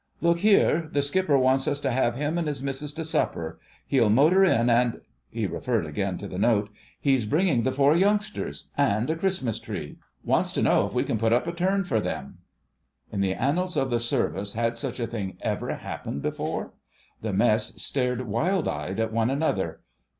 "Look here, the Skipper wants us to have him and his missus to supper. He'll motor in, and"—he referred again to the note—"he's bringing the four youngsters—and a Christmas tree. Wants to know if we can put up a turn for them." In the annals of the Service had such a thing ever happened before? The Mess stared wild eyed at one another.